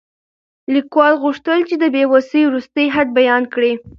لیکوال غوښتل چې د بې وسۍ وروستی حد بیان کړي.